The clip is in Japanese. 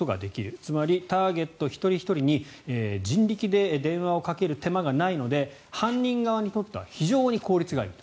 つまりターゲット一人ひとりに人力で電話をかける手間がないので犯人側にとっては非常に効率がいいと。